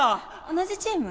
同じチーム？